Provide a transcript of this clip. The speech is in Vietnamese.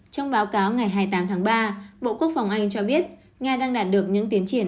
trong báo cáo ngày hai mươi tám tháng ba bộ quốc phòng anh cho biết nga đang đạt được những tiến triển